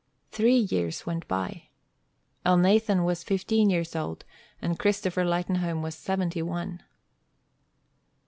Three years went by. Elnathan was fifteen years old, and Christopher Lightenhome was seventy one.